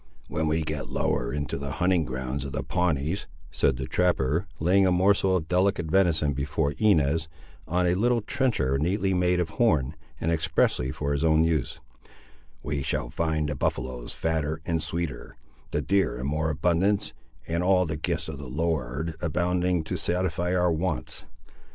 "When we get lower into the hunting grounds of the Pawnees," said the trapper, laying a morsel of delicate venison before Inez, on a little trencher neatly made of horn, and expressly for his own use, "we shall find the buffaloes fatter and sweeter, the deer in more abundance, and all the gifts of the Lord abounding to satisfy our wants.